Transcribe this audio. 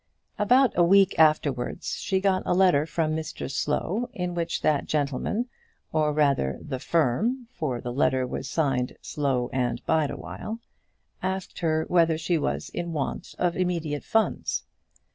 About a week afterwards she got a letter from Mr Slow, in which that gentleman, or rather the firm, for the letter was signed Slow and Bideawhile, asked her whether she was in want of immediate funds.